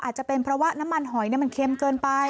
อาจจะเป็นเพราะว่าน้ำมันหอยมันเค็มเกินไป